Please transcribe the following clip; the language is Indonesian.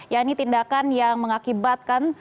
ya ini tindakan yang mengakibatkan